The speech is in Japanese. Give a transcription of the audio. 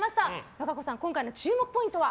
和歌子さん、今回の注目ポイントは？